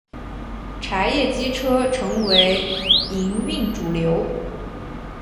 柴液机车成为营运主流。